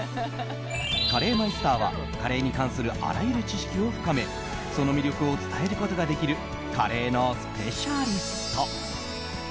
カレーマイスターはカレーに関するあらゆる知識を深めその魅力を伝えることができるカレーのスペシャリスト。